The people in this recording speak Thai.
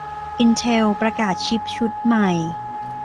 อินเทลประกาศชิปชุดใหม่